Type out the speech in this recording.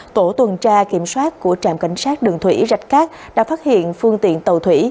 tổ tuần tra kiểm soát của trạm cảnh sát đường thủy rạch cát đã phát hiện phương tiện tàu thủy